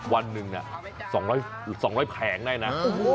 วันหนึ่ง๒๐๐แผงได้นะ